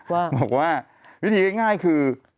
บอกว่าวิธีง่ายคือ